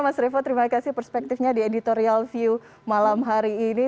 mas revo terima kasih perspektifnya di editorial view malam hari ini